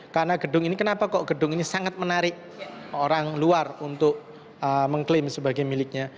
karena gedung ini kenapa kok gedung ini sangat menarik orang luar untuk mengklaim sebagai miliknya